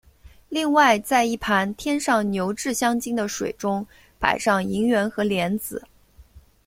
另外在一盘添上牛至香精的水中摆上银元和莲子。